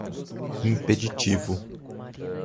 impeditivo